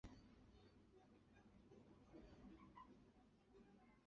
卡伦山。